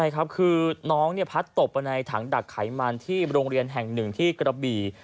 ใช่ครับคือน้องพัดตบไปในถังดักไขมันที่โรงเรียนแห่งหนึ่งที่กระบี่